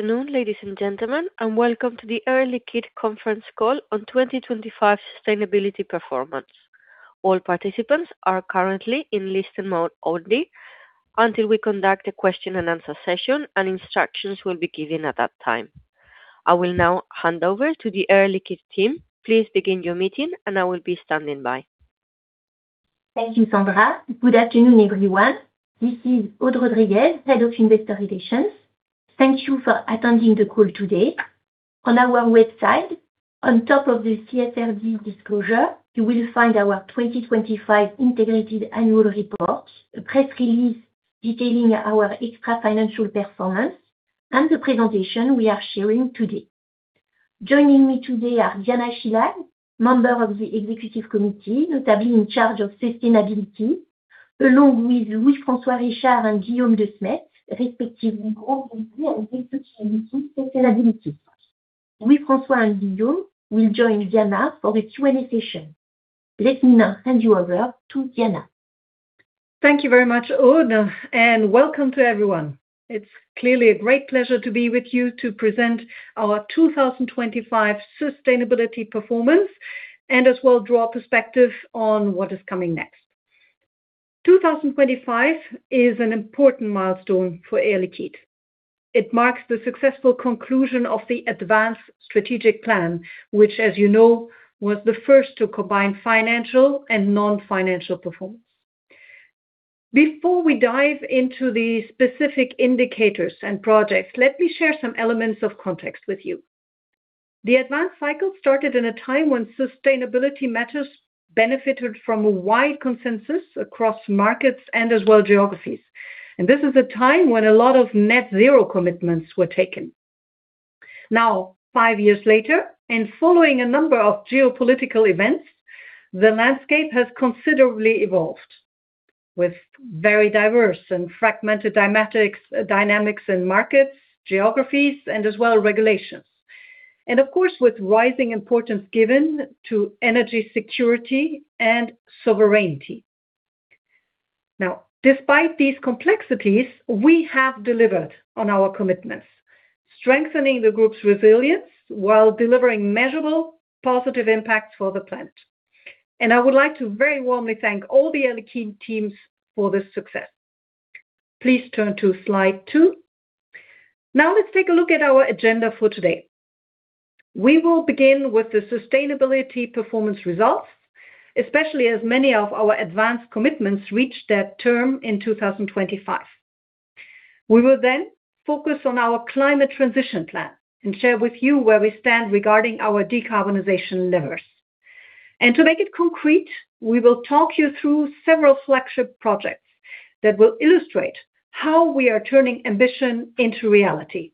Afternoon, ladies and gentlemen, and welcome to the Air Liquide conference call on 2025 sustainability performance. All participants are currently in listen mode only until we conduct a question and answer session, and instructions will be given at that time. I will now hand over to the Air Liquide team. Please begin your meeting, and I will be standing by. Thank you, Sandra. Good afternoon, everyone. This is Aude Rodriguez, Head of Investor Relations. Thank you for attending the call today. On our website, on top of the CSRD disclosure, you will find our 2025 integrated annual report, a press release detailing our extra financial performance, and the presentation we are sharing today. Joining me today are Diana Schillag, Member of the Executive Committee, notably in charge of sustainability, along with Louis-François Richard and Guillaume de Smedt, respectively, Group VP and VP Sustainability. Louis-François and Guillaume will join Diana for the Q&A session. Let me now hand you over to Diana. Thank you very much, Aude, and welcome to everyone. It's clearly a great pleasure to be with you to present our 2025 sustainability performance and as well draw perspective on what is coming next. 2025 is an important milestone for Air Liquide. It marks the successful conclusion of the ADVANCE strategic plan, which, as you know, was the first to combine financial and non-financial performance. Before we dive into the specific indicators and projects, let me share some elements of context with you. The ADVANCE cycle started in a time when sustainability matters benefited from a wide consensus across markets and as well geographies. This is a time when a lot of net zero commitments were taken. Now, five years later, and following a number of geopolitical events, the landscape has considerably evolved with very diverse and fragmented dynamics in markets, geographies, and as well regulations, and of course, with rising importance given to energy security and sovereignty. Now, despite these complexities, we have delivered on our commitments, strengthening the group's resilience while delivering measurable positive impact for the planet. I would like to very warmly thank all the Air Liquide teams for this success. Please turn to slide two. Now let's take a look at our agenda for today. We will begin with the sustainability performance results, especially as many of our ADVANCE commitments reach their term in 2025. We will then focus on our climate transition plan and share with you where we stand regarding our decarbonization levers. To make it concrete, we will walk you through several flagship projects that will illustrate how we are turning ambition into reality.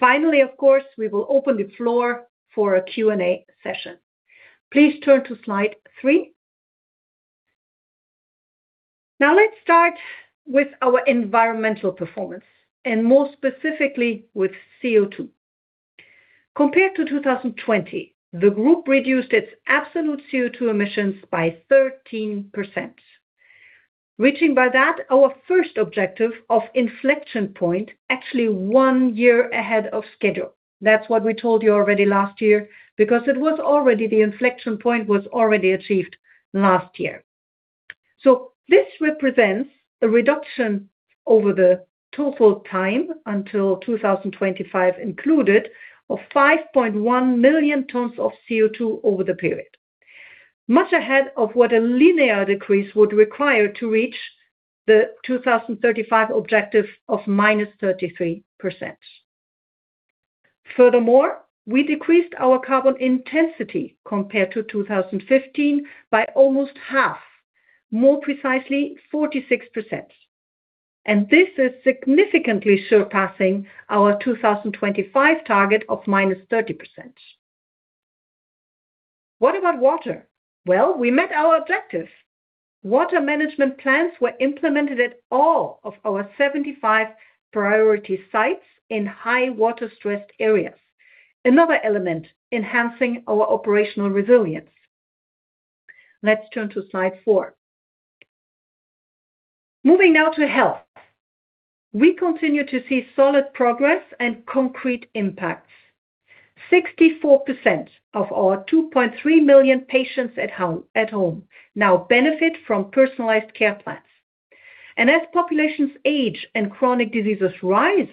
Finally, of course, we will open the floor for a Q&A session. Please turn to slide three. Now let's start with our environmental performance and more specifically with CO₂. Compared to 2020, the group reduced its absolute CO₂ emissions by 13%, reaching by that our first objective of inflection point actually one year ahead of schedule. That's what we told you already last year, because the inflection point was already achieved last year. This represents a reduction over the twofold time until 2025 included of 5.1 million tons of CO₂ over the period. Much ahead of what a linear decrease would require to reach the 2035 objective of -33%. Furthermore, we decreased our carbon intensity compared to 2015 by almost half, more precisely 46%. This is significantly surpassing our 2025 target of -30%. What about water? Well, we met our objective. Water management plans were implemented at all of our 75 priority sites in high water-stressed areas. Another element enhancing our operational resilience. Let's turn to slide four. Moving now to health. We continue to see solid progress and concrete impacts. 64% of our 2.3 million patients at home now benefit from personalized care plans. As populations age and chronic diseases rise,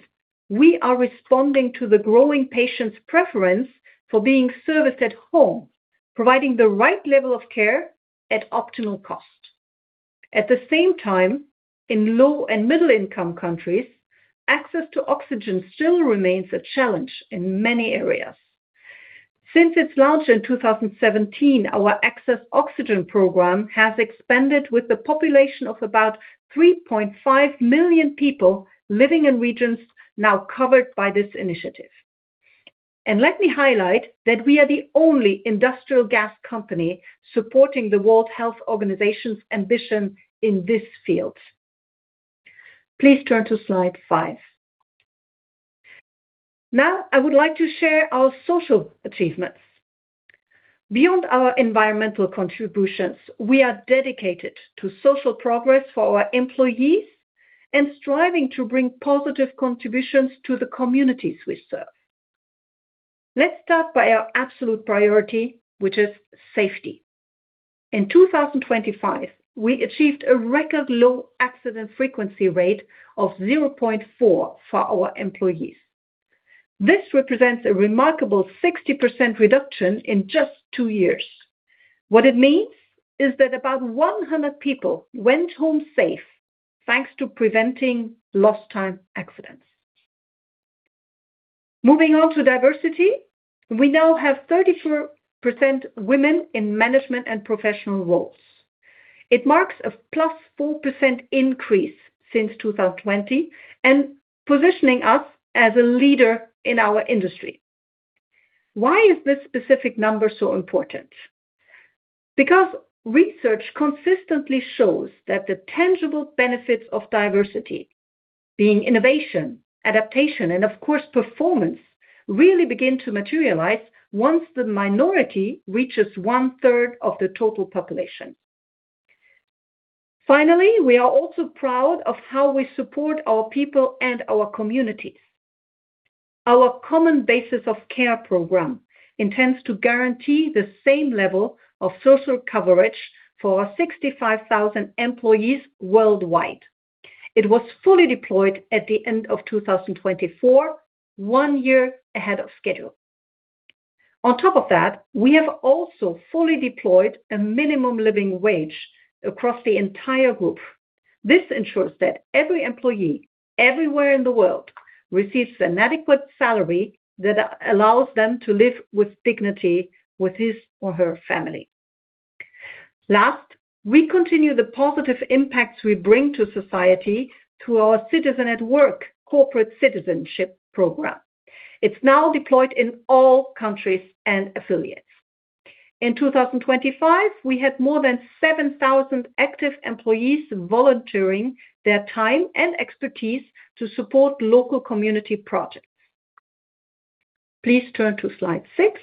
we are responding to the growing patient's preference for being serviced at home, providing the right level of care at optimal cost. At the same time, in low and middle income countries, access to oxygen still remains a challenge in many areas. Since its launch in 2017, our Access Oxygen program has expanded with a population of about 3.5 million people living in regions now covered by this initiative. Let me highlight that we are the only industrial gas company supporting the World Health Organization's ambition in this field. Please turn to slide five. Now, I would like to share our social achievements. Beyond our environmental contributions, we are dedicated to social progress for our employees and striving to bring positive contributions to the communities we serve. Let's start by our absolute priority, which is safety. In 2025, we achieved a record low accident frequency rate of 0.4 for our employees. This represents a remarkable 60% reduction in just two years. What it means is that about 100 people went home safe, thanks to preventing lost time accidents. Moving on to diversity, we now have 34% women in management and professional roles. It marks a +4% increase since 2020, and positioning us as a leader in our industry. Why is this specific number so important? Because research consistently shows that the tangible benefits of diversity being innovation, adaptation, and of course performance, really begin to materialize once the minority reaches one-third of the total population. Finally, we are also proud of how we support our people and our communities. Our Common Basis of Care program intends to guarantee the same level of social coverage for our 65,000 employees worldwide. It was fully deployed at the end of 2024, one year ahead of schedule. On top of that, we have also fully deployed a minimum living wage across the entire group. This ensures that every employee everywhere in the world receives an adequate salary that allows them to live with dignity with his or her family. Last, we continue the positive impacts we bring to society through our Citizen at Work corporate citizenship program. It's now deployed in all countries and affiliates. In 2025, we had more than 7,000 active employees volunteering their time and expertise to support local community projects. Please turn to slide six.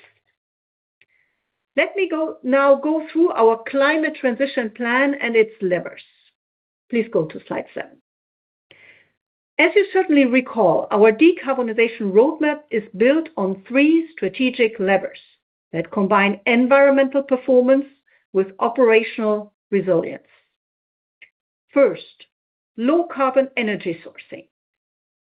Let me now go through our climate transition plan and its levers. Please go to slide seven. As you certainly recall, our decarbonization roadmap is built on three strategic levers that combine environmental performance with operational resilience. First, low carbon energy sourcing.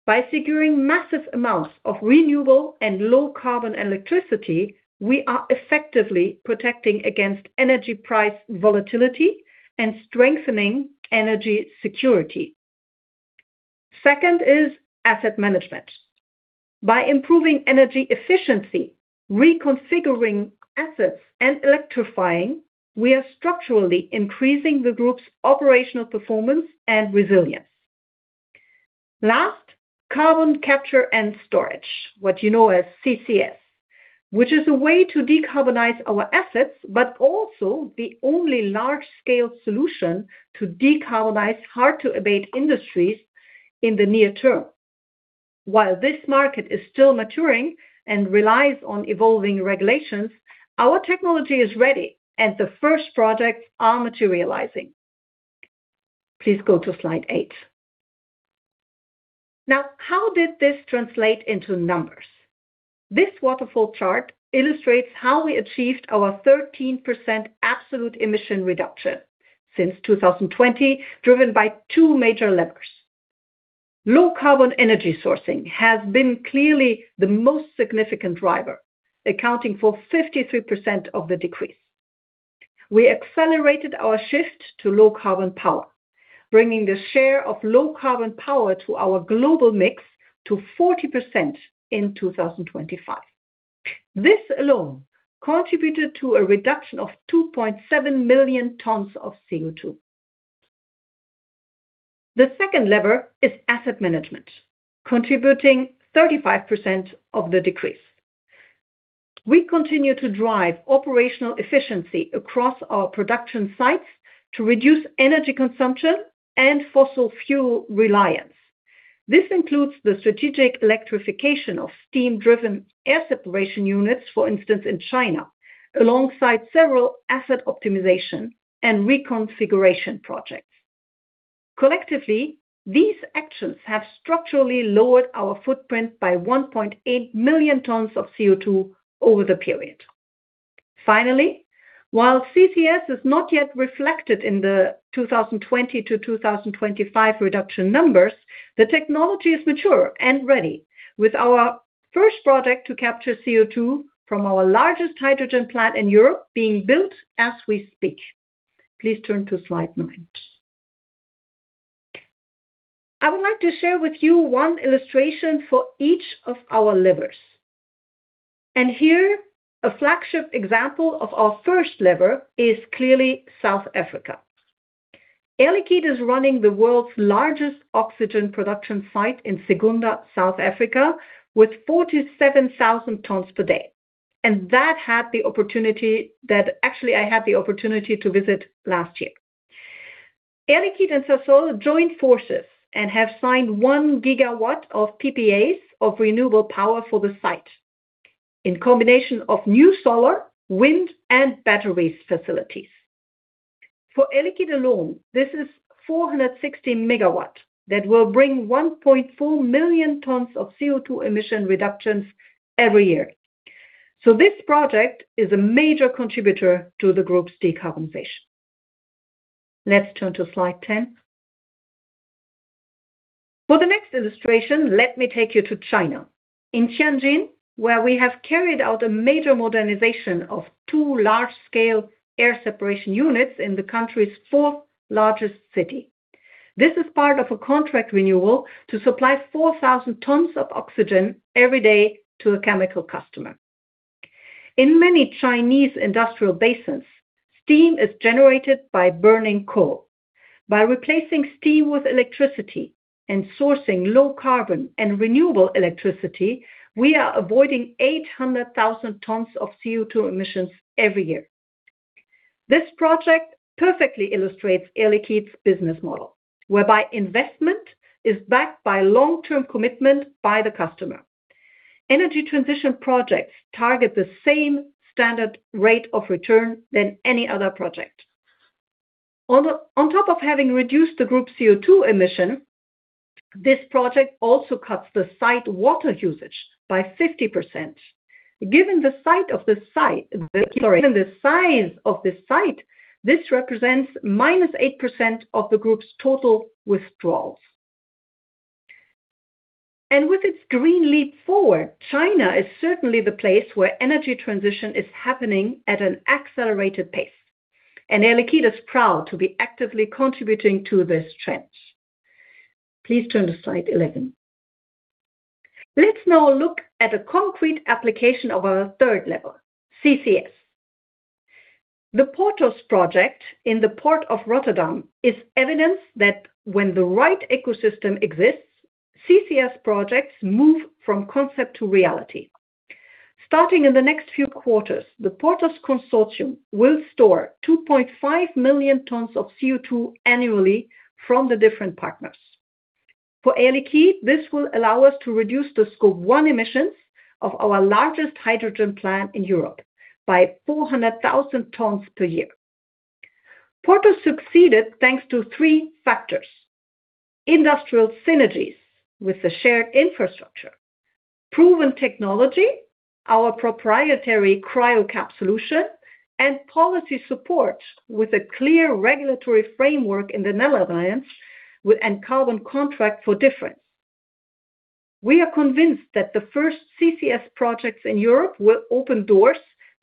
By securing massive amounts of renewable and low carbon electricity, we are effectively protecting against energy price volatility and strengthening energy security. Second is asset management. By improving energy efficiency, reconfiguring assets, and electrifying, we are structurally increasing the group's operational performance and resilience. Last, carbon capture and storage, what you know as CCS, which is a way to decarbonize our assets, but also the only large-scale solution to decarbonize hard-to-abate industries in the near term. While this market is still maturing and relies on evolving regulations, our technology is ready and the first projects are materializing. Please go to slide eight. Now, how did this translate into numbers? This waterfall chart illustrates how we achieved our 13% absolute emission reduction since 2020, driven by two major levers. Low carbon energy sourcing has been clearly the most significant driver, accounting for 53% of the decrease. We accelerated our shift to low carbon power, bringing the share of low carbon power to our global mix to 40% in 2025. This alone contributed to a reduction of 2.7 million tons of CO2. The second lever is asset management, contributing 35% of the decrease. We continue to drive operational efficiency across our production sites to reduce energy consumption and fossil fuel reliance. This includes the strategic electrification of steam-driven air separation units, for instance, in China, alongside several asset optimization and reconfiguration projects. Collectively, these actions have structurally lowered our footprint by 1.8 million tons of CO₂ over the period. Finally, while CCS is not yet reflected in the 2020-2025 reduction numbers, the technology is mature and ready, with our first project to capture CO₂ from our largest hydrogen plant in Europe being built as we speak. Please turn to slide nine. I would like to share with you one illustration for each of our levers. Here, a flagship example of our first lever is clearly South Africa. Air Liquide is running the world's largest oxygen production site in Secunda, South Africa, with 47,000 tons per day. Actually, I had the opportunity to visit last year. Air Liquide and Sasol joined forces and have signed 1 GW of PPAs of renewable power for the site. In combination with new solar, wind and battery facilities. For Air Liquide alone, this is 460 MW that will bring 1.4 million tons of CO₂ emission reductions every year. This project is a major contributor to the group's decarbonization. Let's turn to slide 10. For the next illustration, let me take you to China. In Tianjin, where we have carried out a major modernization of two large-scale air separation units in the country's fourth-largest city. This is part of a contract renewal to supply 4,000 tons of oxygen every day to a chemical customer. In many Chinese industrial basins, steam is generated by burning coal. By replacing steam with electricity and sourcing low-carbon and renewable electricity, we are avoiding 800,000 tons of CO₂ emissions every year. This project perfectly illustrates Air Liquide's business model, whereby investment is backed by long-term commitment by the customer. Energy transition projects target the same standard rate of return than any other project. On top of having reduced the group CO₂ emission, this project also cuts the site water usage by 50%. Given the size of the site, this represents -8% of the group's total withdrawals. With its Green Leap Forward, China is certainly the place where energy transition is happening at an accelerated pace. Air Liquide is proud to be actively contributing to this trend. Please turn to slide 11. Let's now look at a concrete application of our third level, CCS. The Porthos project in the port of Rotterdam is evidence that when the right ecosystem exists, CCS projects move from concept to reality. Starting in the next few quarters, the Porthos consortium will store 2.5 million tons of CO₂ annually from the different partners. For Air Liquide, this will allow us to reduce the Scope 1 emissions of our largest hydrogen plant in Europe by 400,000 tons per year. Porthos succeeded thanks to three factors: industrial synergies with the shared infrastructure, proven technology, our proprietary Cryocap solution, and policy support with a clear regulatory framework in the Netherlands and Carbon Contract for Difference. We are convinced that the first CCS projects in Europe will open doors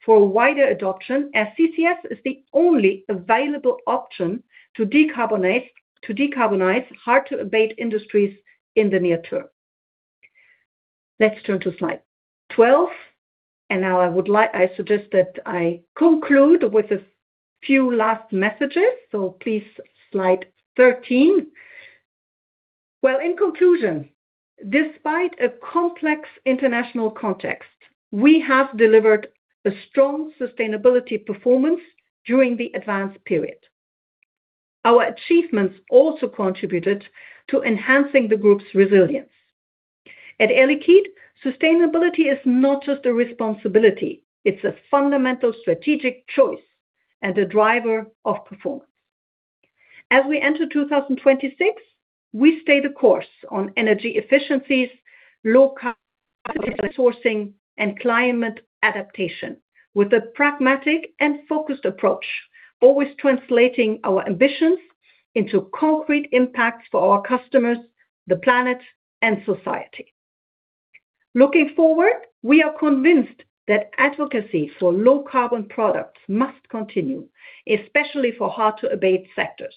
for wider adoption, as CCS is the only available option to decarbonate, to decarbonize hard to abate industries in the near term. Let's turn to slide 12, and now I suggest that I conclude with a few last messages, so please slide 13. Well, in conclusion, despite a complex international context, we have delivered a strong sustainability performance during the ADVANCE period. Our achievements also contributed to enhancing the group's resilience. At Air Liquide, sustainability is not just a responsibility, it's a fundamental strategic choice and a driver of performance. As we enter 2026, we stay the course on energy efficiencies, low carbon sourcing and climate adaptation with a pragmatic and focused approach, always translating our ambitions into concrete impacts for our customers, the planet and society. Looking forward, we are convinced that advocacy for low carbon products must continue, especially for hard to abate sectors.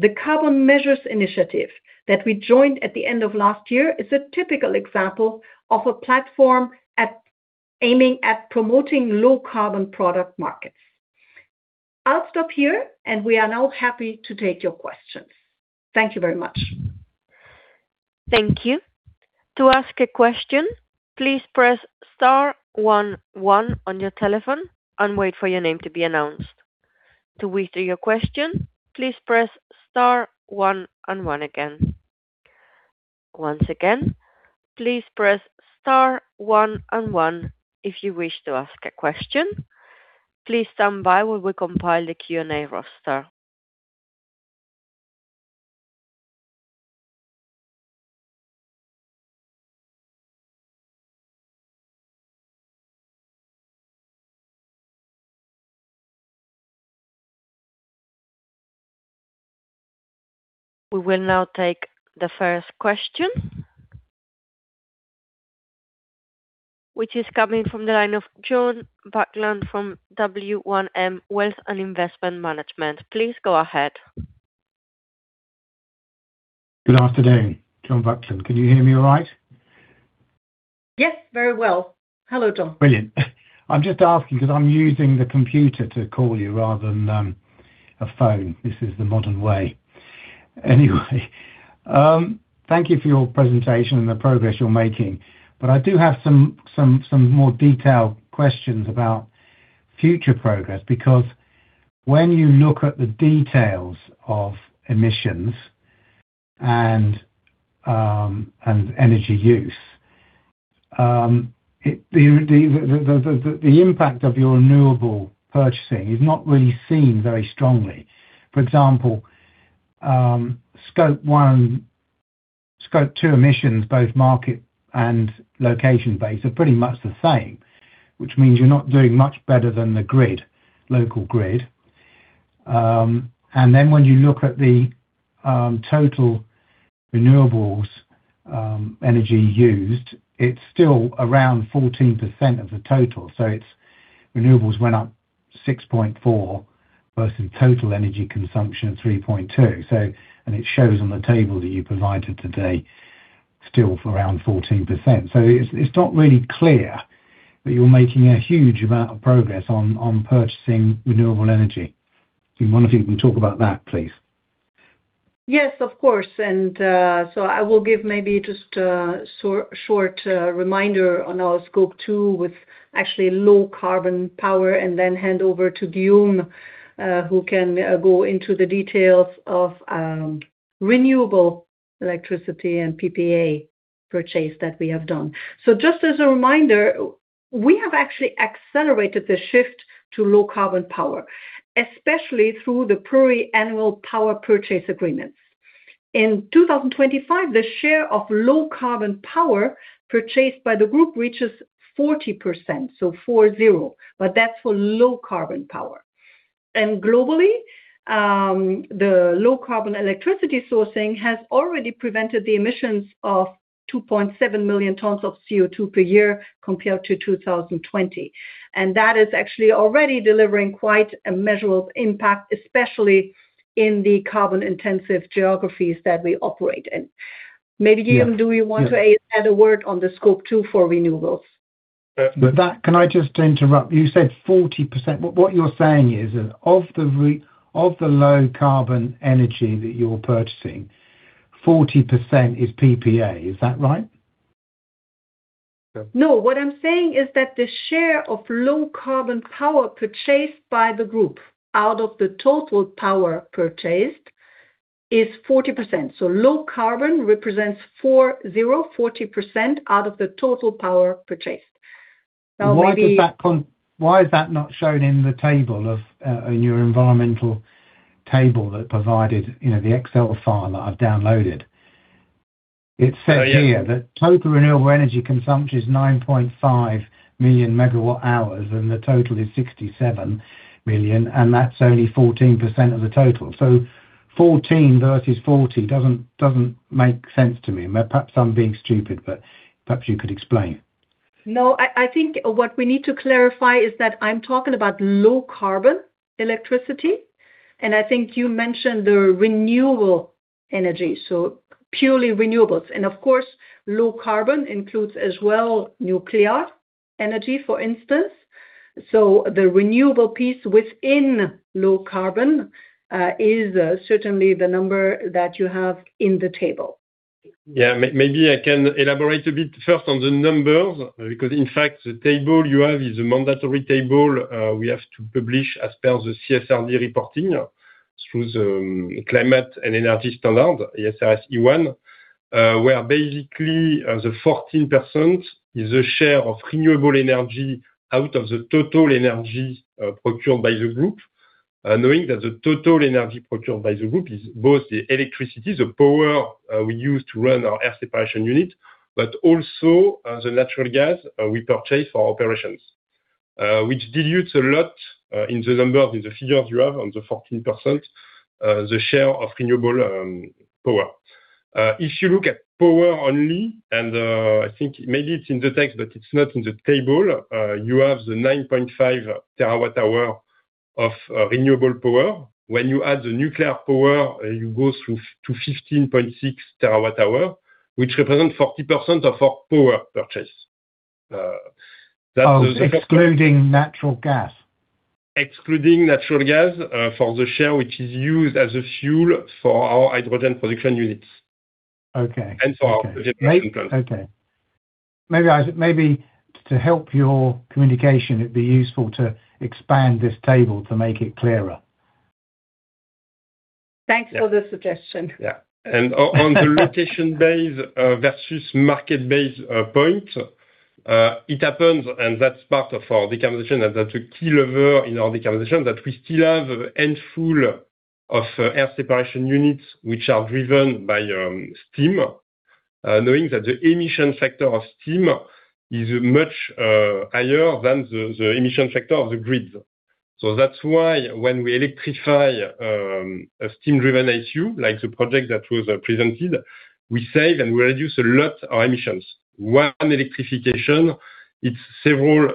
The Carbon Measures Initiative that we joined at the end of last year is a typical example of a platform aiming at promoting low carbon product markets. I'll stop here and we are now happy to take your questions. Thank you very much. We will now take the first question, which is coming from the line of John Buckland from W1M, Wealth and Investment Management. Please go ahead. Good afternoon. John Buckland. Can you hear me all right? Yes, very well. Hello, John. Brilliant. I'm just asking 'cause I'm using the computer to call you rather than a phone. This is the modern way. Anyway, thank you for your presentation and the progress you're making. I do have some more detailed questions about future progress, because when you look at the details of emissions and energy use, the impact of your renewable purchasing is not really seen very strongly. For example, Scope 2 emissions, both market- and location-based, are pretty much the same, which means you're not doing much better than the local grid. When you look at the total renewables energy used, it's still around 14% of the total. Its renewables went up 6.4% versus total energy consumption of 3.2%. It shows on the table that you provided today, still for around 14%. It's not really clear that you're making a huge amount of progress on purchasing renewable energy. I wonder if you can talk about that, please. Yes, of course. I will give maybe just a short reminder on our Scope 2, with actually low carbon power, and then hand over to Guillaume, who can go into the details of renewable electricity and PPA purchase that we have done. Just as a reminder, we have actually accelerated the shift to low carbon power, especially through the PPA power purchase agreements. In 2025, the share of low carbon power purchased by the group reaches 40%, so 40%. That's for low carbon power. Globally, the low carbon electricity sourcing has already prevented the emissions of 2.7 million tons of CO₂ per year compared to 2020. That is actually already delivering quite a measurable impact, especially in the carbon intensive geographies that we operate in. Maybe, Guillaume, do you want to add a word on the Scope 2 for renewables? With that, can I just interrupt? You said 40%. What you're saying is, of the low carbon energy that you're purchasing, 40% is PPA, is that right? No. What I'm saying is that the share of low-carbon power purchased by the group out of the total power purchased is 40%. Low-carbon represents 40% out of the total power purchased. Why is that not shown in the table of in your environmental table that provided, you know, the Excel file that I've downloaded? It said here that total renewable energy consumption is 9.5 million MWh, and the total is 67 million, and that's only 14% of the total. 14% versus 40% doesn't make sense to me. Perhaps I'm being stupid, but perhaps you could explain. No, I think what we need to clarify is that I'm talking about low-carbon electricity, and I think you mentioned the renewable energy, so purely renewables. Of course, low-carbon includes as well nuclear energy, for instance. The renewable piece within low-carbon is certainly the number that you have in the table. Maybe I can elaborate a bit first on the numbers, because in fact, the table you have is a mandatory table we have to publish as per the CSRD reporting through the climate and energy standard, ESRS E1, where basically the 14% is a share of renewable energy out of the total energy procured by the group, knowing that the total energy procured by the group is both the electricity, the power we use to run our Air Separation Unit, but also the natural gas we purchase for operations. Which dilutes a lot in the number, in the figures you have on the 14%, the share of renewable power. If you look at power only, and I think maybe it's in the text, but it's not in the table. You have the 9.5 TWh of renewable power. When you add the nuclear power, you go through to 15.6 TWh, which represent 40% of our power purchase. That does. Oh, excluding natural gas? Excluding natural gas, for the share which is used as a fuel for our hydrogen production units. Okay. For our. Okay. Maybe to help your communication, it'd be useful to expand this table to make it clearer. Thanks for the suggestion. Yeah. On the location-based versus market-based point, it happens, and that's part of our decarbonization, and that's a key lever in our decarbonization, that we still have a handful of air separation units which are driven by steam. Knowing that the emission factor of steam is much higher than the emission factor of the grid. That's why when we electrify a steam driven ASU, like the project that was presented, we save and reduce a lot our emissions. One electrification, it's several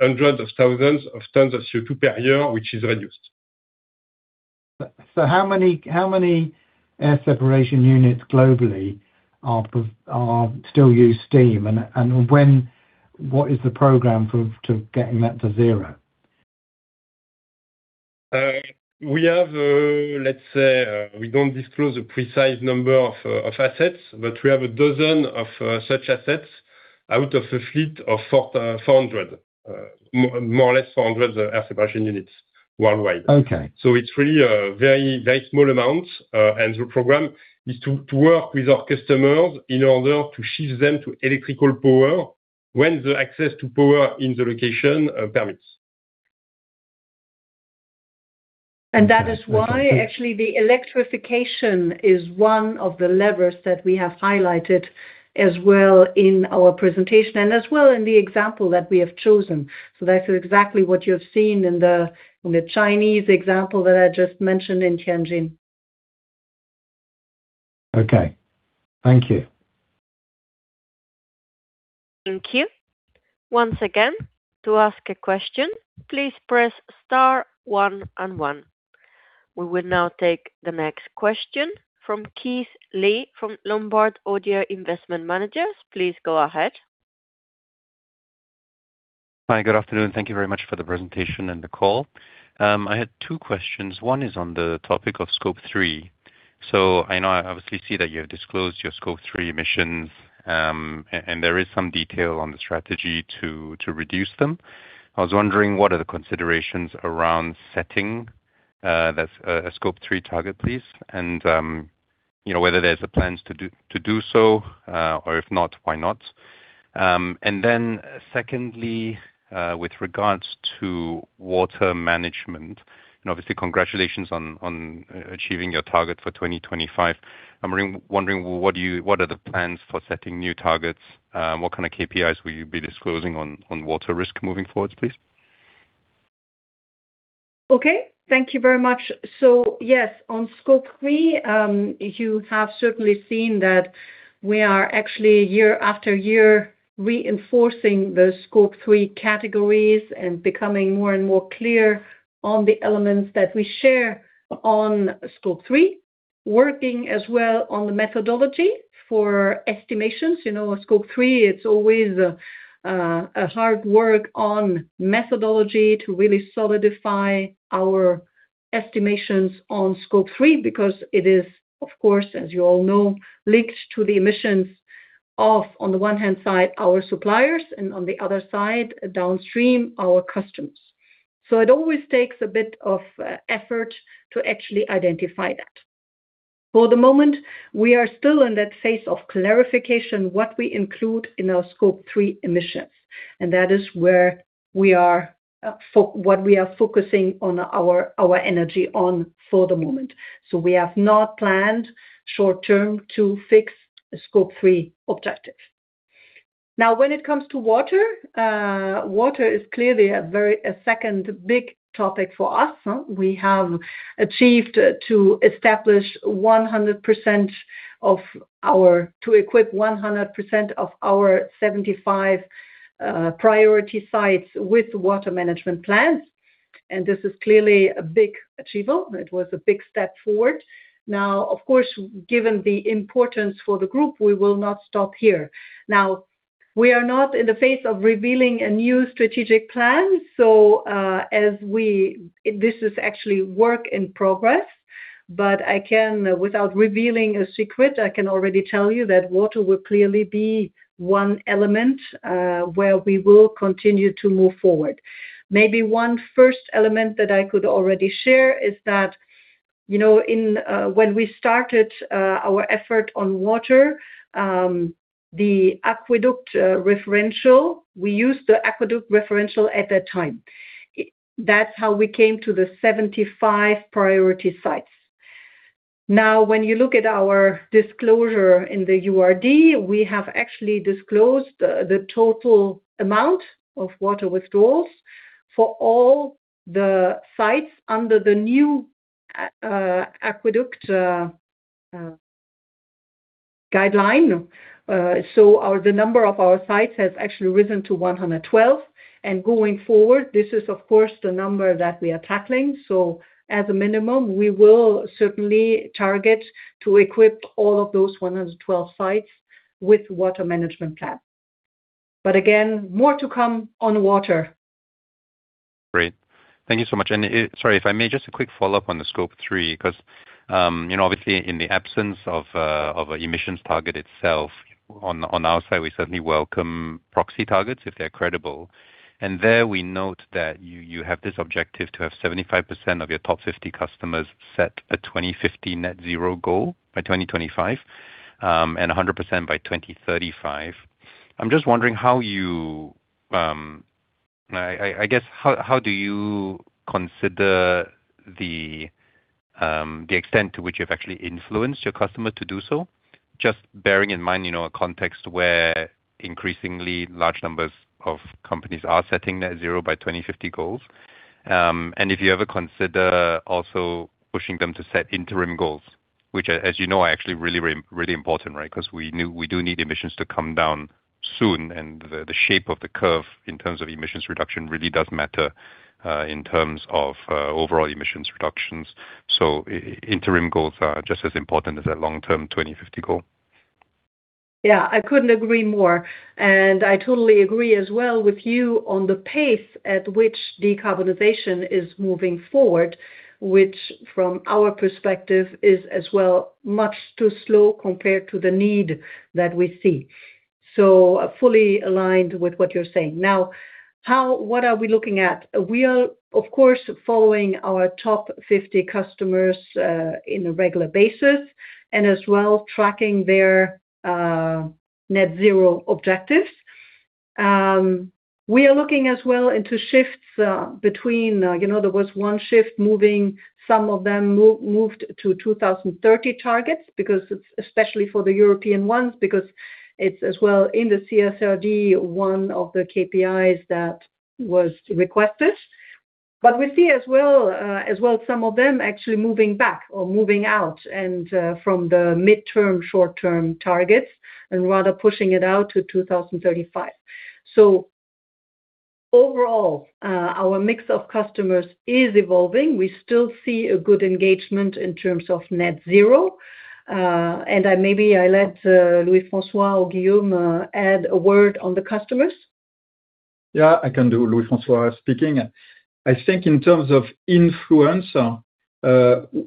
hundred thousand tons of CO₂ per year, which is reduced. How many air separation units globally are still using steam? What is the program for getting that to zero? We have, let's say, we don't disclose a precise number of assets, but we have a dozen of such assets out of a fleet of 400, more or less 400 air separation units worldwide. Okay. It's really a very, very small amount. The program is to work with our customers in order to shift them to electrical power when the access to power in the location permits. That is why actually the electrification is one of the levers that we have highlighted as well in our presentation and as well in the example that we have chosen. That is exactly what you have seen in the Chinese example that I just mentioned in Tianjin. Okay. Thank you. We will now take the next question from Keith Lee from Lombard Odier Investment Managers. Please go ahead. Hi. Good afternoon. Thank you very much for the presentation and the call. I had two questions. One is on the topic of Scope 3. I know I obviously see that you have disclosed your Scope 3 emissions, and there is some detail on the strategy to reduce them. I was wondering, what are the considerations around setting a Scope 3 target, please, and, you know, whether there's a plan to do so, or if not, why not? Secondly, with regards to water management and obviously congratulations on achieving your target for 2025. I'm wondering, what are the plans for setting new targets? What kind of KPIs will you be disclosing on water risk moving forward, please? Okay. Thank you very much. Yes, on Scope 3, you have certainly seen that we are actually year after year reinforcing the Scope 3 categories and becoming more and more clear on the elements that we share on Scope 3, working as well on the methodology for estimations. You know, Scope 3, it's always a hard work on methodology to really solidify our estimations on Scope 3 because it is of course, as you all know, linked to the emissions of, on the one hand side, our suppliers and on the other side downstream our customers. It always takes a bit of effort to actually identify that. For the moment, we are still in that phase of clarification, what we include in our Scope 3 emissions, and that is where we are focusing our energy on for the moment. We have not planned short-term to fix Scope 3 objectives. When it comes to water is clearly a second big topic for us. We have achieved to equip 100% of our 75 priority sites with water management plans, and this is clearly a big achievement. It was a big step forward. Now, of course, given the importance for the group, we will not stop here. Now, we are not in the phase of revealing a new strategic plan. This is actually work in progress, but I can, without revealing a secret, I can already tell you that water will clearly be one element where we will continue to move forward. Maybe one first element that I could already share is that, you know, in when we started our effort on water, the Aqueduct reference, we used the Aqueduct reference at that time. That's how we came to the 75 priority sites. Now, when you look at our disclosure in the URD, we have actually disclosed the total amount of water withdrawals for all the sites under the new Aqueduct guideline. The number of our sites has actually risen to 112. Going forward, this is of course the number that we are tackling. At a minimum, we will certainly target to equip all of those 112 sites with water management plan. Again, more to come on water. Great. Thank you so much. Sorry if I may just a quick follow-up on the Scope 3 because, you know, obviously in the absence of an emissions target itself on our side, we certainly welcome proxy targets if they're credible. There we note that you have this objective to have 75% of your top 50 customers set a 2050 net zero goal by 2025, and 100% by 2035. I'm just wondering how you, I guess how do you consider the extent to which you've actually influenced your customer to do so, just bearing in mind, you know, a context where increasingly large numbers of companies are setting net zero by 2050 goals. If you ever consider also pushing them to set interim goals, which as you know, are actually really important, right? 'Cause we do need emissions to come down soon and the shape of the curve in terms of emissions reduction really does matter, in terms of overall emissions reductions. Interim goals are just as important as that long-term 2050 goal. Yeah, I couldn't agree more. I totally agree as well with you on the pace at which decarbonization is moving forward, which from our perspective is as well much too slow compared to the need that we see. Fully aligned with what you're saying. What are we looking at? We are, of course, following our top 50 customers on a regular basis and as well tracking their net zero objectives. We are looking as well into shifts between. There was one shift moving. Some of them moved to 2030 targets because it's especially for the European ones, because it's as well in the CSRD, one of the KPIs that was requested. We see as well some of them actually moving back or moving out and from the mid-term, short-term targets and rather pushing it out to 2035. Overall, our mix of customers is evolving. We still see a good engagement in terms of net zero. I maybe let Louis-François or Guillaume. Add a word on the customers. Yeah, I can do. Louis-François speaking. I think in terms of influence,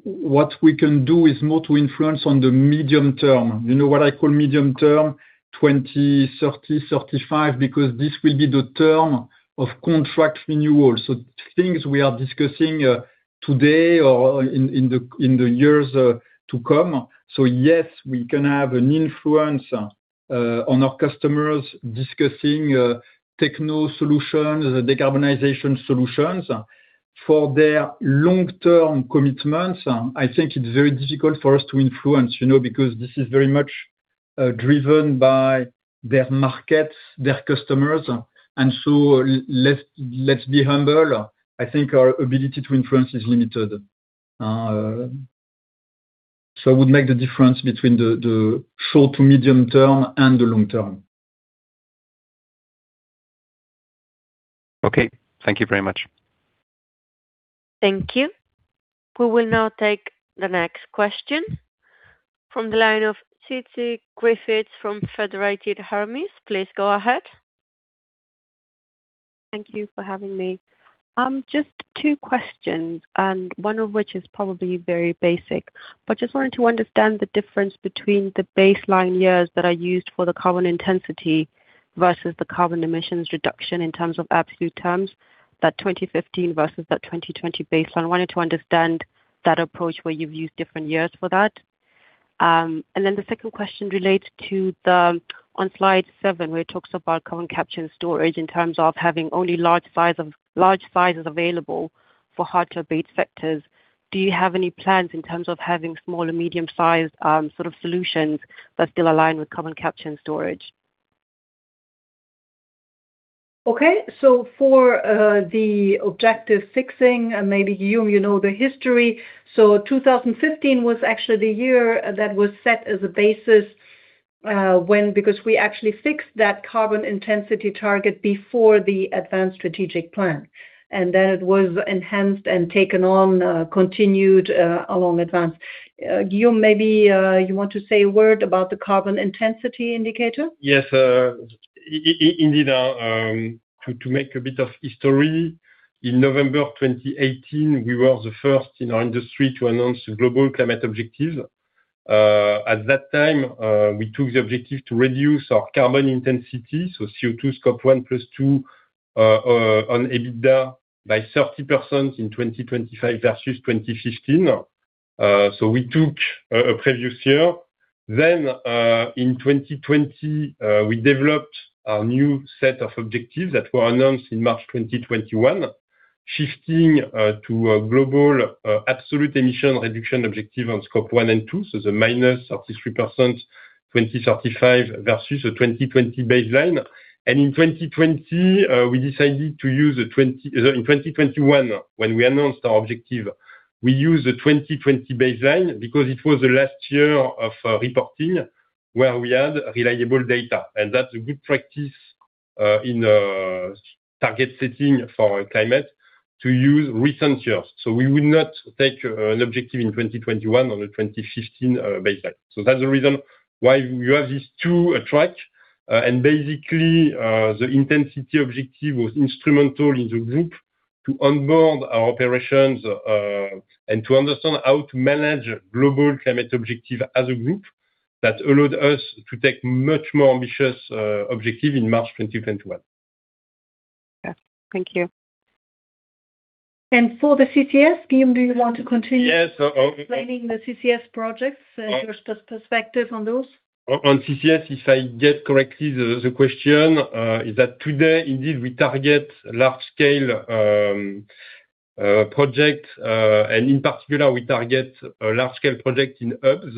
what we can do is more to influence on the medium-term. You know what I call medium-term, 2030, 2035, because this will be the term of contract renewal. Things we are discussing today or in the years to come. Yes, we can have an influence on our customers discussing techno solutions, decarbonization solutions for their long-term commitments. I think it's very difficult for us to influence, you know, because this is very much driven by their markets, their customers. Let's be humble. I think our ability to influence is limited. I would make the difference between the short to medium-term and the long-term. Okay. Thank you very much. Thank you. We will now take the next question from the line of Tsitsi Griffiths from Federated Hermes. Please go ahead. Thank you for having me. Just two questions, and one of which is probably very basic, but just wanted to understand the difference between the baseline years that are used for the carbon intensity versus the carbon emissions reduction in terms of absolute terms, that 2015 versus that 2020 baseline. I wanted to understand that approach where you've used different years for that. The second question relates to the on slide seven, where it talks about carbon capture and storage in terms of having only large sizes available for hard-to-abate sectors. Do you have any plans in terms of having small and medium-sized, sort of solutions that still align with carbon capture and storage? Okay. For the objective fixing, and maybe you know the history. 2015 was actually the year that was set as a basis, when because we actually fixed that carbon intensity target before the ADVANCE strategic plan, and that was enhanced and taken on, continued along ADVANCE. Guillaume, maybe you want to say a word about the carbon intensity indicator. Yes, indeed, to make a bit of history. In November 2018, we were the first in our industry to announce global climate objective. At that time, we took the objective to reduce our carbon intensity, so CO₂ Scope 1 plus 2 on EBITDA by 30% in 2025 versus 2015. So we took a previous year. In 2020, we developed a new set of objectives that were announced in March 2021, shifting to a global absolute emission reduction objective on Scope 1 and 2. The -33% 2035 versus a 2020 baseline. In 2020, we decided to use a 20. In 2021, when we announced our objective, we used the 2020 baseline because it was the last year of reporting where we had reliable data, and that's a good practice in target setting for climate to use recent years. We would not take an objective in 2021 on a 2015 baseline. That's the reason why you have these two tracks. Basically, the intensity objective was instrumental in the group to onboard our operations and to understand how to manage global climate objective as a group. That allowed us to take much more ambitious objective in March 2021. Yeah. Thank you. For the CCS, Guillaume, do you want to continue? Yes. Explaining the CCS projects, your perspective on those? On CCS, if I got it correctly, the question is that today, indeed, we target large scale project, and in particular, we target a large scale project in hubs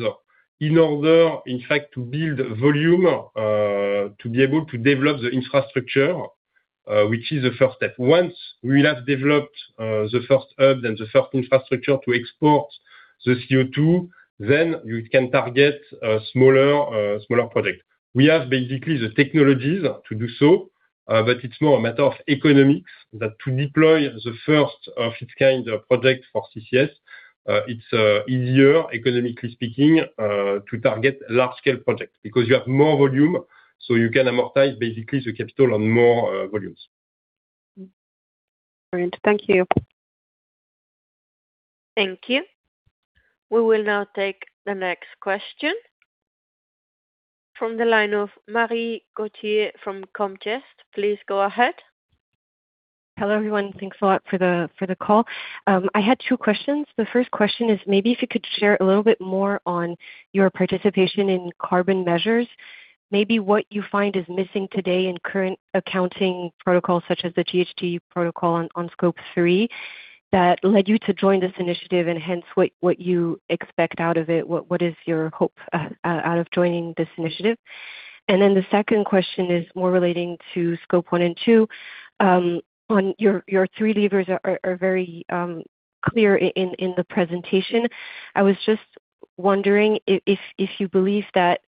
in order, in fact, to build volume, to be able to develop the infrastructure, which is the first step. Once we have developed the first hub, then the first infrastructure to export the CO₂, then you can target a smaller project. We have basically the technologies to do so. But it's more a matter of economics to deploy the first of its kind project for CCS, it's easier economically speaking to target large scale project because you have more volume, so you can amortize basically the capital on more volumes. Great. Thank you. Thank you. We will now take the next question from the line of Marie Gauthier from Comgest. Please go ahead. Hello, everyone. Thanks a lot for the call. I had two questions. The first question is maybe if you could share a little bit more on your participation in Carbon Measures. Maybe what you find is missing today in current accounting protocols such as the GHG Protocol on Scope 3 that led you to join this initiative and hence what you expect out of it, what is your hope out of joining this initiative? The second question is more relating to Scope 1 and 2. On your three levers are very clear in the presentation. I was just wondering if you believe that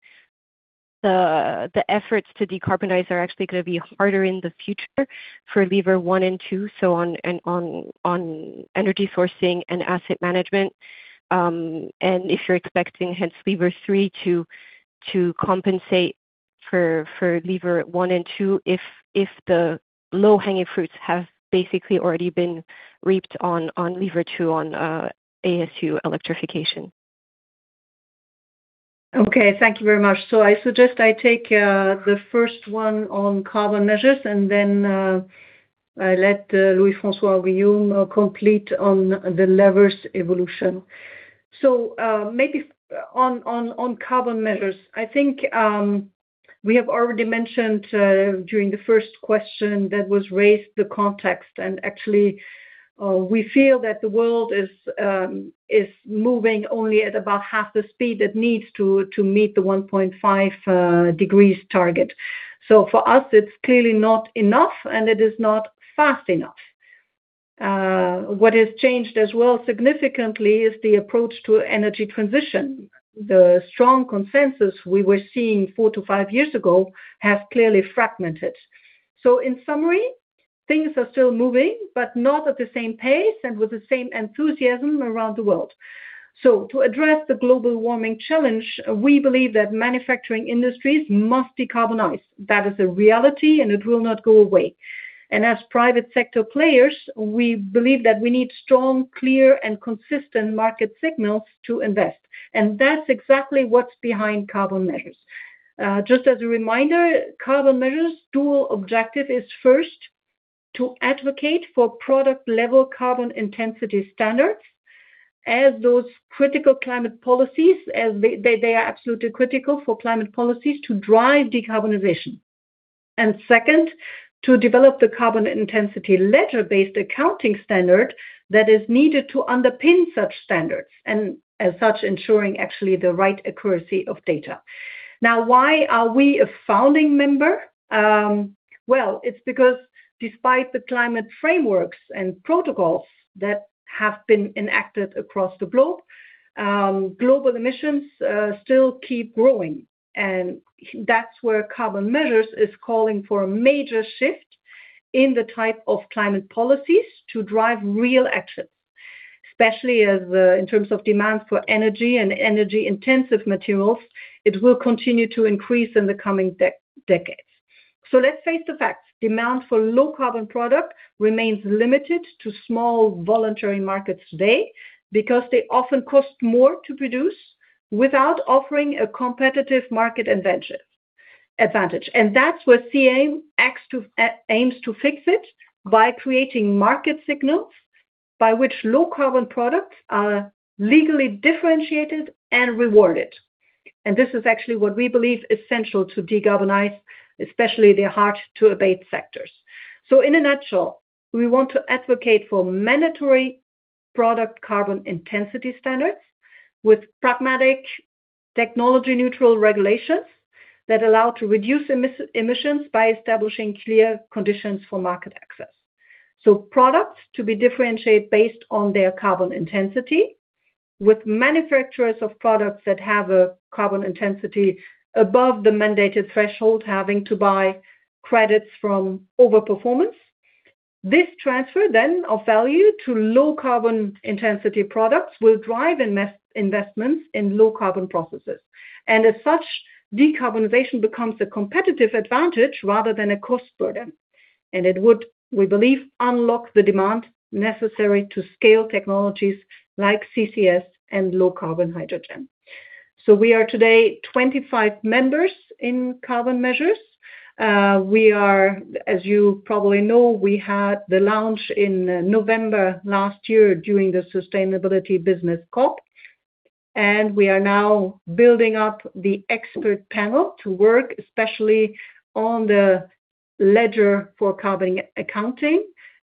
the efforts to decarbonize are actually gonna be harder in the future for lever one and two, so on energy sourcing and asset management, and if you're expecting hence lever three to compensate for lever one and two, if the low-hanging fruits have basically already been reaped on lever two on ASU electrification. Okay. Thank you very much. I suggest I take the first one on Carbon Measures, and then I let Louis-François complete on the levers evolution. Maybe on Carbon Measures. I think we have already mentioned during the first question that was raised the context. Actually, we feel that the world is moving only at about half the speed it needs to meet the 1.5°C target. For us, it's clearly not enough, and it is not fast enough. What has changed as well significantly is the approach to energy transition. The strong consensus we were seeing four to five years ago has clearly fragmented. In summary, things are still moving, but not at the same pace and with the same enthusiasm around the world. To address the global warming challenge, we believe that manufacturing industries must decarbonize. That is a reality, and it will not go away. As private sector players, we believe that we need strong, clear and consistent market signals to invest. That's exactly what's behind Carbon Measures. Just as a reminder, Carbon Measures' dual objective is first to advocate for product level carbon intensity standards as those critical climate policies, as they are absolutely critical for climate policies to drive decarbonization. Second, to develop the carbon intensity ledger-based accounting standard that is needed to underpin such standards, and as such ensuring actually the right accuracy of data. Now, why are we a founding member? It's because despite the climate frameworks and protocols that have been enacted across the globe, global emissions still keep growing. That's where Carbon Measures is calling for a major shift in the type of climate policies to drive real action, especially as in terms of demand for energy and energy-intensive materials, it will continue to increase in the coming decades. Let's face the facts. Demand for low-carbon product remains limited to small voluntary markets today because they often cost more to produce without offering a competitive market advantage. That's where Carbon Contract for difference aims to fix it by creating market signals by which low-carbon products are legally differentiated and rewarded. This is actually what we believe essential to decarbonize, especially the hard-to-abate sectors. In a nutshell, we want to advocate for mandatory product carbon intensity standards with pragmatic technology-neutral regulations that allow to reduce emissions by establishing clear conditions for market access. Products to be differentiated based on their carbon intensity with manufacturers of products that have a carbon intensity above the mandated threshold having to buy credits from over-performance. This transfer then of value to low carbon intensity products will drive investments in low carbon processes. As such, decarbonization becomes a competitive advantage rather than a cost burden. It would, we believe, unlock the demand necessary to scale technologies like CCS and low carbon hydrogen. We are today 25 members in Carbon Measures. We are, as you probably know, we had the launch in November last year during the Sustainability Business Forum, and we are now building up the expert panel to work, especially on the ledger for carbon accounting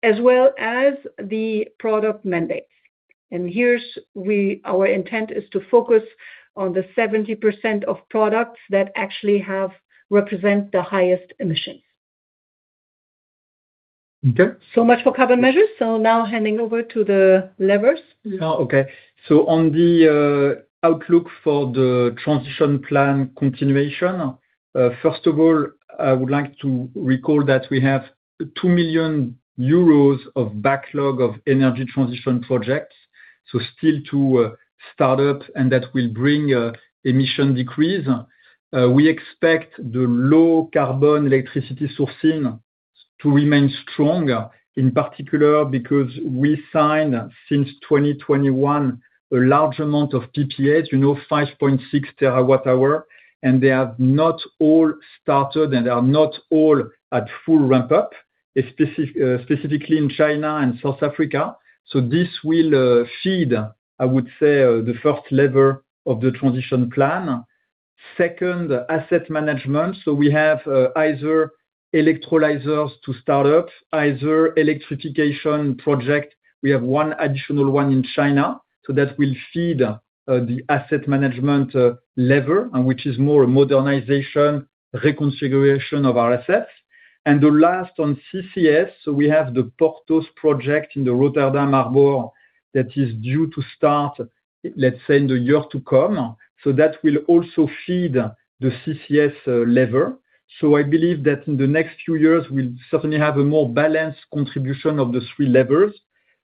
as well as the product mandate. Our intent is to focus on the 70% of products that actually represent the highest emissions. So much for Carbon Measures. Now handing over to the levers. Oh, okay. On the outlook for the transition plan continuation, first of all, I would like to recall that we have 2 million euros of backlog of energy transition projects. Still to start up and that will bring emission decrease. We expect the low carbon electricity sourcing to remain strong, in particular, because we signed since 2021 a large amount of PPA, you know, 5.6 TWh, and they have not all started and are not all at full ramp up, specifically in China and South Africa. This will feed, I would say, the first lever of the transition plan. Second, asset management. We have either electrolyzers to start up, either electrification project. We have one additional one in China. That will feed the asset management lever, which is more a modernization reconfiguration of our assets. The last on CCS. We have the Porthos project in the Port of Rotterdam that is due to start, let's say, in the year to come. That will also feed the CCS lever. I believe that in the next few years, we'll certainly have a more balanced contribution of the three levers.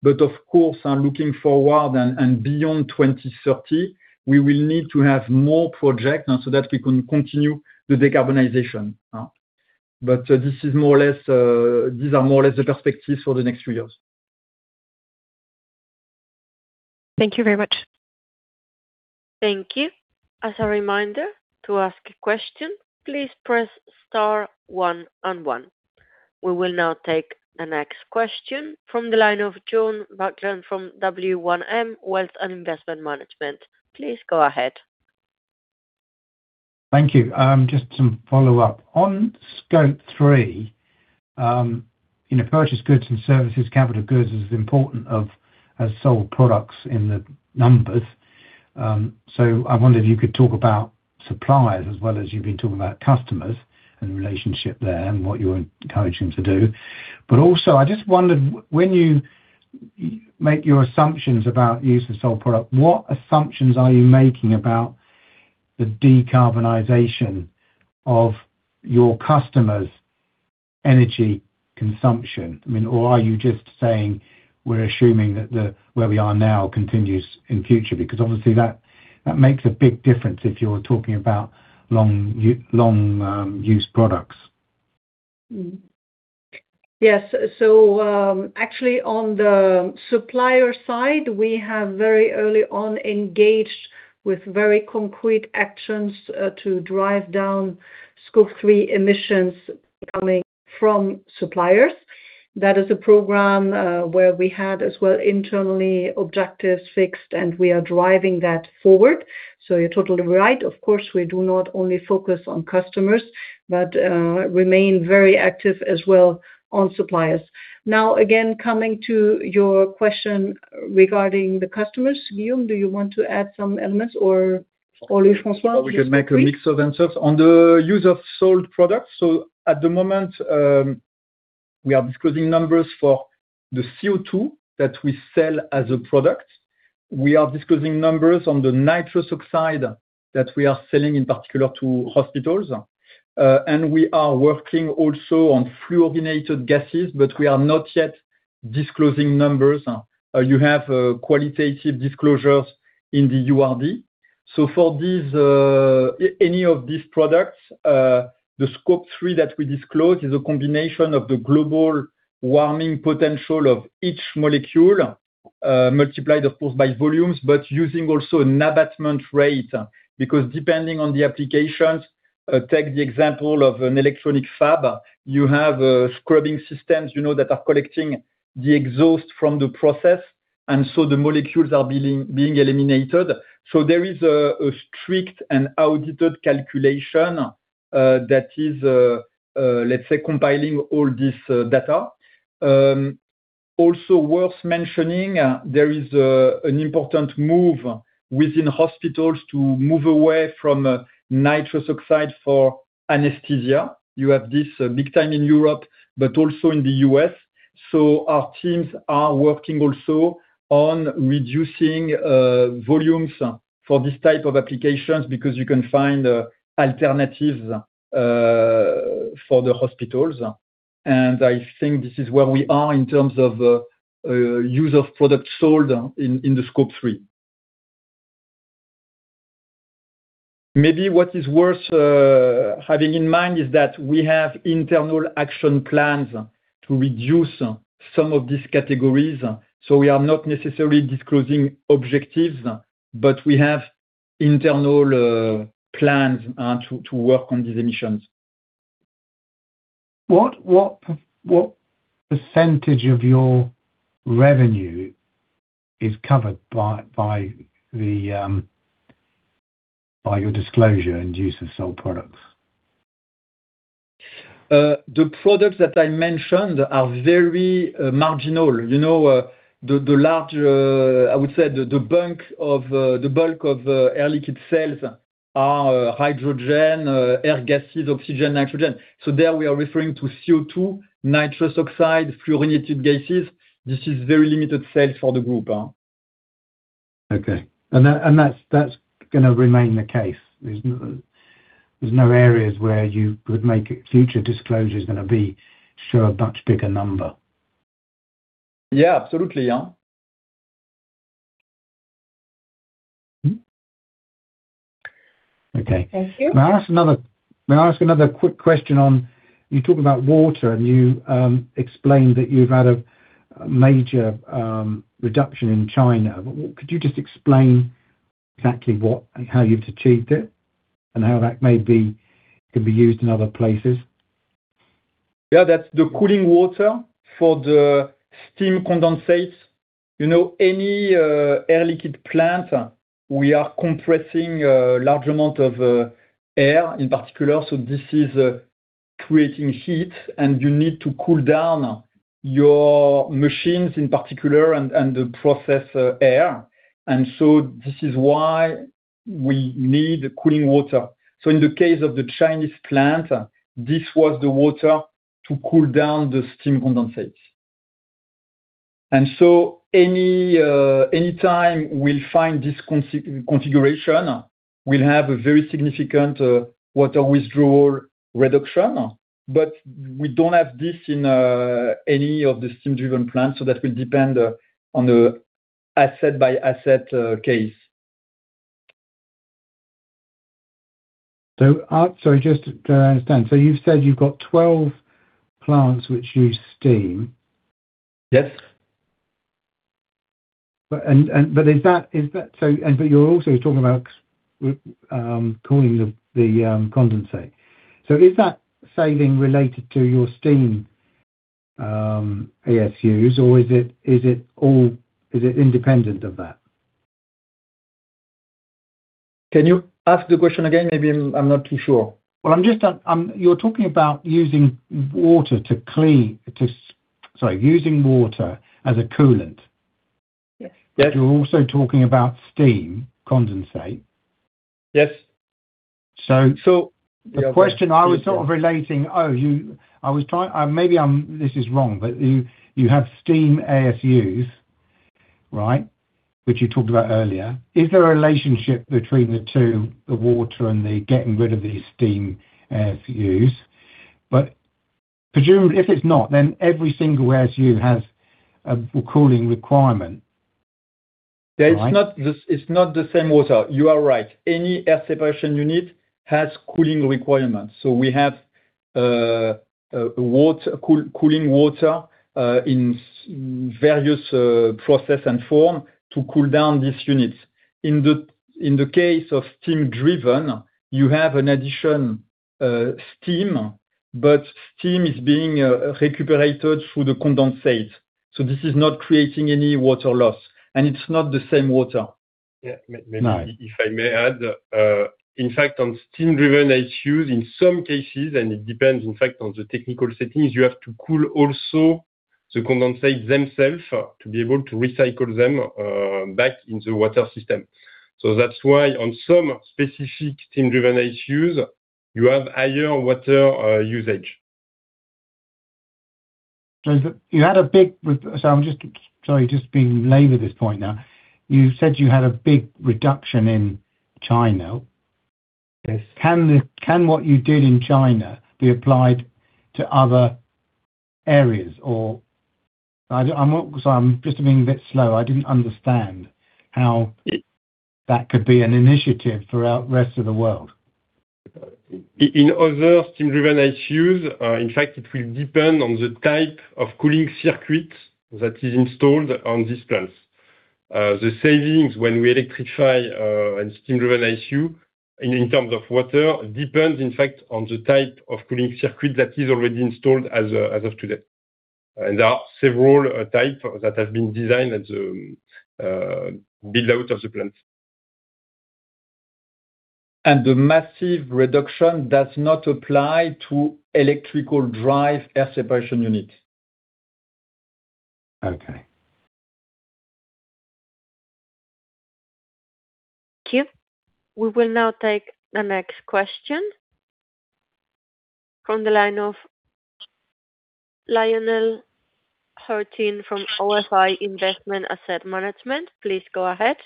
Of course, looking forward and beyond 2030, we will need to have more projects now so that we can continue the decarbonization. These are more or less the perspectives for the next few years. Thank you very much. Thank you. As a reminder, to ask a question, please press star one one. We will now take the next question from the line of John Buckland from W1M, Wealth and Investment Management. Please go ahead. Thank you. Just some follow-up. On Scope 3, in purchased goods and services, capital goods is important as sold products in the numbers. I wonder if you could talk about suppliers as well as you've been talking about customers and relationship there and what you're encouraging to do. I just wondered when you make your assumptions about use of sold product, what assumptions are you making about the decarbonization of your customers' energy consumption? I mean, or are you just saying we're assuming that where we are now continues in future? Because obviously that makes a big difference if you're talking about long use products. Yes. Actually, on the supplier side, we have very early on engaged with very concrete actions to drive down Scope 3 emissions coming from suppliers. That is a program where we had as well internally objectives fixed, and we are driving that forward. You're totally right. Of course, we do not only focus on customers, but remain very active as well on suppliers. Now, again, coming to your question regarding the customers. Guillaume, do you want to add some elements or François? We can make a mix of answers on the use of sold products. At the moment, we are disclosing numbers for the CO₂ that we sell as a product. We are disclosing numbers on the nitrous oxide that we are selling, in particular to hospitals. And we are working also on fluorinated gases, but we are not yet disclosing numbers. You have qualitative disclosures in the URD. For these, any of these products, the Scope 3 that we disclose is a combination of the global warming potential of each molecule, multiplied, of course, by volumes, but using also an abatement rate. Because depending on the applications, take the example of an electronic fab, you have scrubbing systems, you know, that are collecting the exhaust from the process, and so the molecules are being eliminated. There is a strict and audited calculation that is, let's say, compiling all this data. Also worth mentioning, there is an important move within hospitals to move away from Nitrous oxide for anesthesia. You have this big time in Europe, but also in the U.S. Our teams are working also on reducing volumes for this type of applications because you can find alternatives for the hospitals. I think this is where we are in terms of user products sold in the Scope 3. Maybe what is worth having in mind is that we have internal action plans to reduce some of these categories. We are not necessarily disclosing objectives, but we have internal plans to work on these emissions. What percentage of your revenue is covered by your disclosure and use of sold products? The products that I mentioned are very marginal. You know, the bulk of Air Liquide sales are hydrogen, air gases, oxygen, nitrogen. There we are referring to CO₂, nitrous oxide, fluorinated gases. This is very limited sales for the group. That's gonna remain the case. There's no areas where you would make a future disclosure is gonna be show a much bigger number. Yeah, absolutely. Yeah. Okay. Thank you. May I ask another quick question on. You talk about water, and you explained that you've had a major reduction in China. But could you just explain exactly what and how you've achieved it and how that may be, can be used in other places? Yeah. That's the cooling water for the steam condensates. You know, any Air Liquide plant, we are compressing a large amount of air in particular, so this is creating heat, and you need to cool down your machines in particular and the processed air. This is why we need cooling water. In the case of the Chinese plant, this was the water to cool down the steam condensates. Any time we find this configuration, we'll have a very significant water withdrawal reduction. But we don't have this in any of the steam driven plants, so that will depend on the asset by asset case. Sorry, just to understand. You said you've got 12 plants which use steam. Yes. You're also talking about cooling the condensate. Is that saving related to your steam ASUs or is it all independent of that? Can you ask the question again? Maybe I'm not too sure. Well, I'm just. Sorry, you're talking about using water as a coolant. Yes. You're also talking about steam condensate. Yes. So- So- The question I was sort of relating, maybe this is wrong, but you have steam ASUs, right? Which you talked about earlier. Is there a relationship between the two, the water and the getting rid of the steam ASUs? I presume, if it's not, then every single ASU has a cooling requirement, right? It's not the same water. You are right. Any air separation unit has cooling requirements. We have cooling water in various processes and forms to cool down these units. In the case of steam driven, you have an additional steam, but steam is being recuperated through the condensate. This is not creating any water loss, and it's not the same water. Yeah. May No. If I may add, in fact on steam driven ASUs, in some cases, and it depends in fact on the technical settings, you have to cool also the condensate themselves to be able to recycle them back into water system. That's why on some specific steam driven ASUs, you have higher water usage. I'm just, sorry, just belaboring this point now. You said you had a big reduction in China. Yes. Can what you did in China be applied to other areas? Sorry, I'm just being a bit slow. I didn't understand how that could be an initiative throughout rest of the world. In other steam driven ASUs, in fact it will depend on the type of cooling circuit that is installed on these plants. The savings when we electrify a steam driven ASU in terms of water depends, in fact, on the type of cooling circuit that is already installed as of today. There are several types that have been designed at the build out of the plant. The massive reduction does not apply to electrically driven air separation unit. Okay. Thank you. We will now take the next question from the line of Lionel Heurtin from Ofi Invest Asset Management. Please go ahead.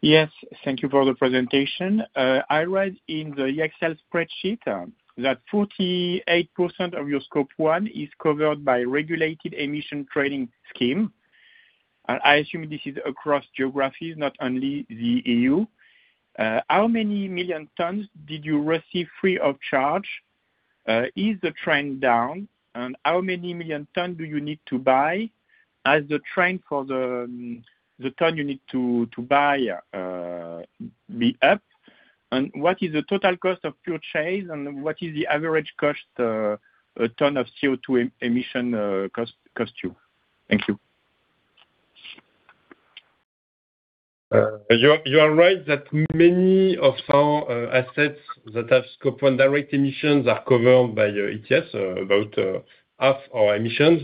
Yes. Thank you for the presentation. I read in the Excel spreadsheet that 48% of your Scope 1 is covered by regulated emissions trading scheme. I assume this is across geographies, not only the EU. How many million tons did you receive free of charge? Is the trend down? How many million tons do you need to buy as the trend for the tons you need to buy be up? What is the total cost of purchase? What is the average cost a ton of CO₂ emission cost you? Thank you. You are right that many of our assets that have Scope 1 direct emissions are covered by ETS, about half our emissions.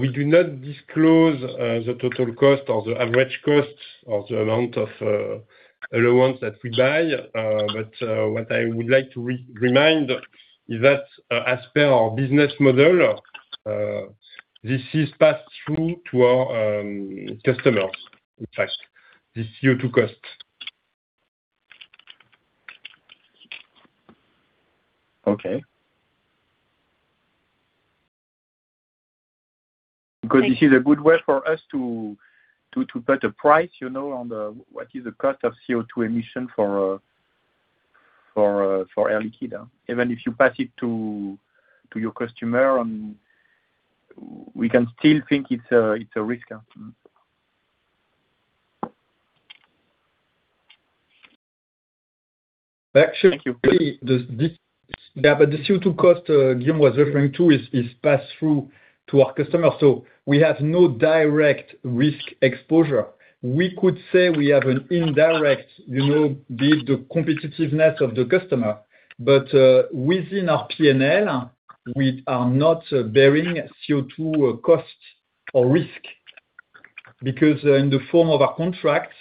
We do not disclose the total cost or the average costs of the amount of allowance that we buy. What I would like to remind is that as per our business model, this is passed through to our customers. In fact, the CO₂ cost. Okay. Because this is a good way for us to set a price, you know, on the what is the cost of CO₂ emission for Air Liquide. Even if you pass it to your customer and we can still think it's a risk. Thank you. The CO₂ cost Guillaume was referring to is passed through to our customers, so we have no direct risk exposure. We could say we have an indirect, you know, be it the competitiveness of the customer. Within our P&L, we are not bearing CO₂ costs or risk because in the form of our contracts,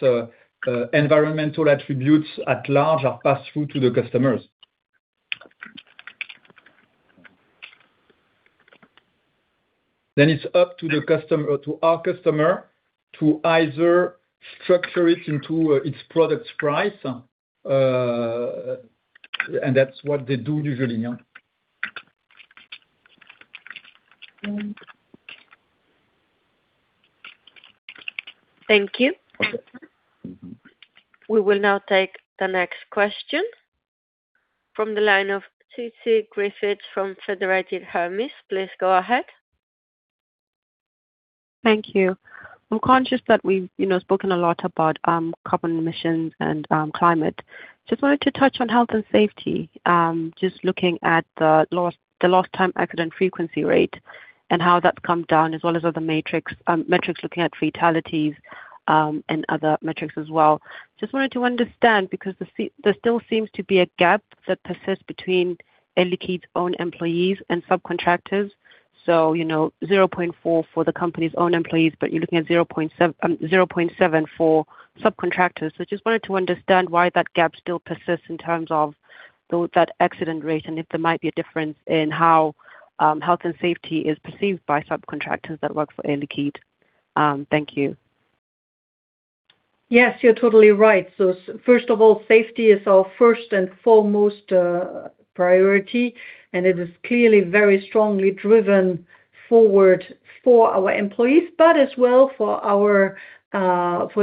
environmental attributes at large are passed through to the customers. It's up to the customer, to our customer, to either structure it into its product price, and that's what they do usually, yeah. Thank you. We will now take the next question from the line of Tsitsi Griffiths from Federated Hermes. Please go ahead. Thank you. I'm conscious that we've, you know, spoken a lot about carbon emissions and climate. Just wanted to touch on health and safety. Just looking at the lost time accident frequency rate and how that's come down, as well as other metrics looking at fatalities, and other metrics as well. Just wanted to understand because there still seems to be a gap that persists between Air Liquide's own employees and subcontractors. You know, 0.4 for the company's own employees, but you're looking at 0.7 for subcontractors. Just wanted to understand why that gap still persists in terms of that accident rate and if there might be a difference in how health and safety is perceived by subcontractors that work for Air Liquide. Thank you. Yes, you're totally right. First of all, safety is our first and foremost priority, and it is clearly very strongly driven forward for our employees, but as well for our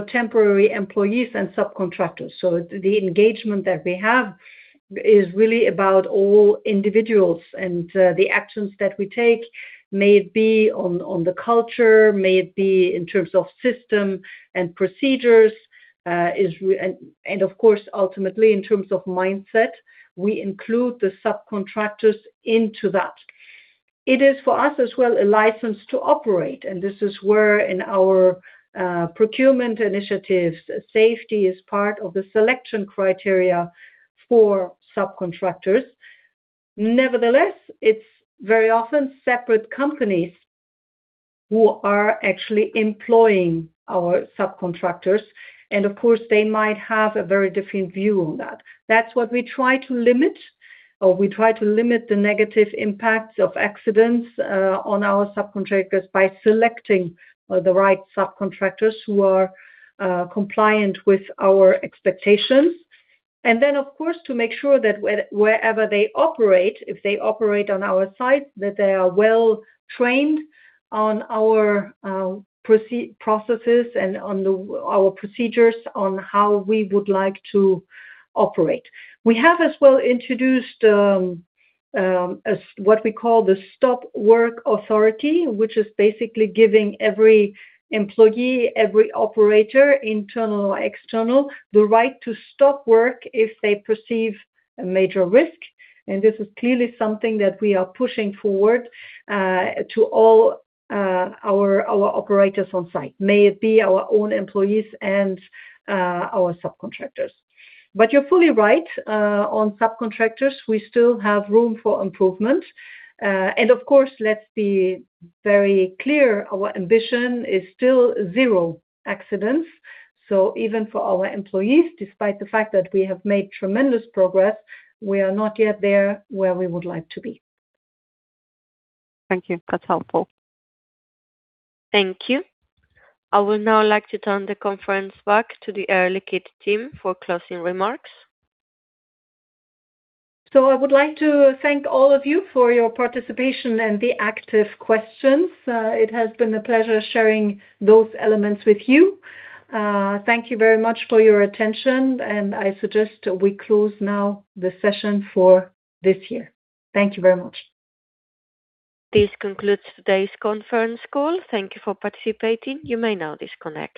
temporary employees and subcontractors. The engagement that we have is really about all individuals. The actions that we take, may it be on the culture, may it be in terms of system and procedures, and of course, ultimately in terms of mindset, we include the subcontractors into that. It is for us as well a license to operate, and this is where in our procurement initiatives, safety is part of the selection criteria for subcontractors. Nevertheless, it's very often separate companies who are actually employing our subcontractors, and of course, they might have a very different view on that. That's what we try to limit, or we try to limit the negative impacts of accidents on our subcontractors by selecting the right subcontractors who are compliant with our expectations. Of course, to make sure that wherever they operate, if they operate on our site, that they are well trained on our processes and on our procedures on how we would like to operate. We have as well introduced, as what we call the Stop Work Authority, which is basically giving every employee, every operator, internal or external, the right to stop work if they perceive a major risk. This is clearly something that we are pushing forward to all our operators on site, may it be our own employees and our subcontractors. You're fully right on subcontractors. We still have room for improvement. Of course, let's be very clear, our ambition is still zero accidents. Even for our employees, despite the fact that we have made tremendous progress, we are not yet there where we would like to be. Thank you. That's helpful. Thank you. I would now like to turn the conference back to the Air Liquide team for closing remarks. I would like to thank all of you for your participation and the active questions. It has been a pleasure sharing those elements with you. Thank you very much for your attention, and I suggest we close now the session for this year. Thank you very much. This concludes today's conference call. Thank you for participating. You may now disconnect.